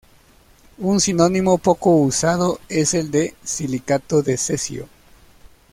Un sinónimo poco usado es el de "silicato de cesio".